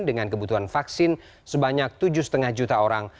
dengan kebutuhan vaksin sebanyak tujuh lima juta orang